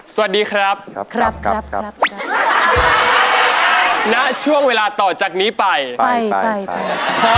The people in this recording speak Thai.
สวัสดีครับครับครับครับครับนะช่วงเวลาต่อจากนี้ไปไปไปไป